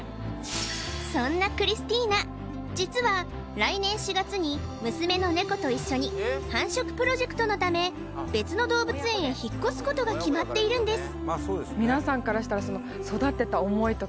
そんなクリスティーナ実は来年４月に娘のネコと一緒に繁殖プロジェクトのため別の動物園へ引っ越すことが決まっているんです